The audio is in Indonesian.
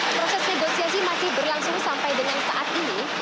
proses negosiasi masih berlangsung sampai dengan saat ini